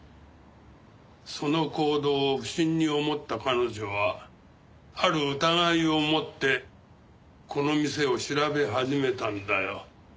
その行動を不審に思った彼女はある疑いを持ってこの店を調べ始めたんだよ。